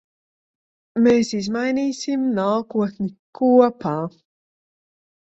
Mēs izmainīsim nākotni kopā.